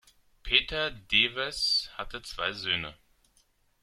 Peter Dewes hatte zwei Söhne.